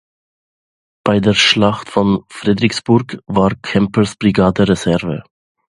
Bei der Schlacht von Fredericksburg war Kempers Brigade Reserve.